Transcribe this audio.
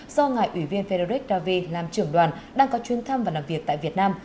do ngài ủy viên frederick david làm trưởng đoàn đang có chuyên thăm và làm việc tại việt nam